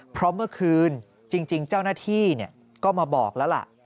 เพราะเมื่อคืนจริงเจ้าหน้าที่ก็มาบอกแล้วล่ะ